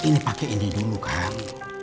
ini pakai ini dulu kan